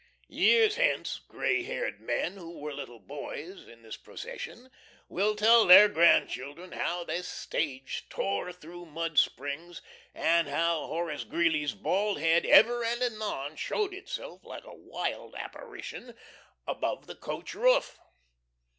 Years hence, gray haired men, who were little boys in this procession, will tell their grandchildren how this stage tore through Mud Springs, and how Horace Greeley's bald head ever and anon showed itself, like a wild apparition, above the coach roof.